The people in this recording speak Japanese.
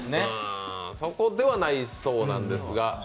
そこではなさそうなんですが。